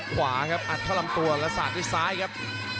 ขวาครับอัดเข้าลำตัวและสาดด้วยซ้ายครับ